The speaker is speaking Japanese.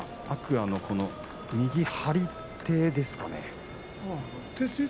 天空海の右の張り手ですかね。